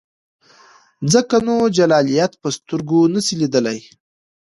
ځکه نو جلالیت په سترګو نسې لیدلای.